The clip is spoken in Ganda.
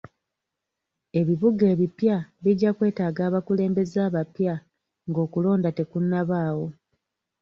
Ebibuga ebipya bijja kwetaaga abakulembeze abapya nga okulonda tekunnabaawo .